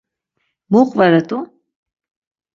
Mu qveret̆u?